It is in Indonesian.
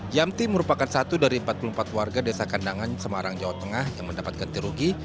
yamti merupakan satu dari empat puluh empat warga desa kandangan semarang jawa tengah yang mendapat ganti rugi